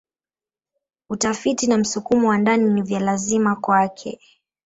Utafiti na msukumo wa ndani ni vya lazima kwake.